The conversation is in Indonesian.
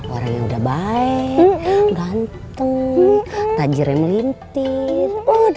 orang yang udah baik ganteng tajir yang melintir